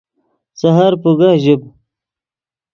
سحر پوگہ ژیب